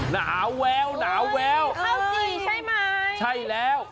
น้ำแววน้ำแววข้าวจี่ใช่ไหมใช่แล้ว